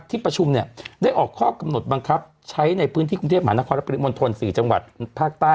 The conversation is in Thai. ที่ประชุมเนี่ยด้อออกข้อกำหนดบังคับใช้ในพื้นที่คุณเทพหมานครสรับกริมนต์โทรนสื่อจังหวัดภาคใต้